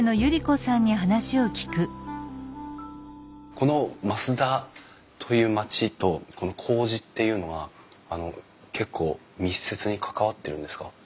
この増田という町とこうじっていうのはあの結構密接に関わってるんですか？